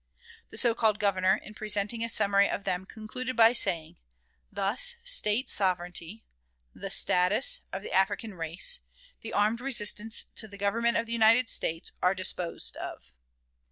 The so called Governor, in presenting a summary of them, concluded by saying, "Thus, State sovereignty the status of the African race the armed resistance to the Government of the United States are disposed of."